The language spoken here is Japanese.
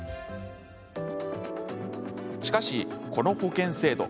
しかし、この保険制度。